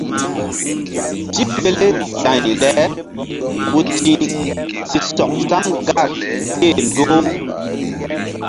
Tipele za̧y le ku ti̧h si sɔk sam gar ké-e ndoh-u.